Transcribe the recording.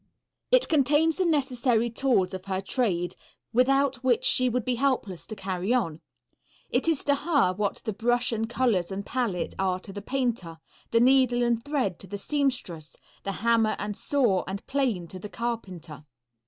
It contains the necessary tools of her trade, without which she would be helpless to carry on. It is to her what the brush and colors and palette are to the painter; the needle and thread to the seamstress; the hammer and saw and plane to the carpenter.